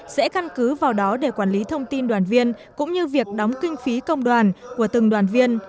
sẽ căn cứ vào đó để quản lý thông tin đoàn viên cũng như việc đóng kinh phí công đoàn của từng đoàn viên